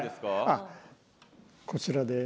あっこちらです。